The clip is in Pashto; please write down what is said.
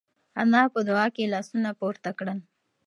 انا په دعا کې لاسونه پورته کړل.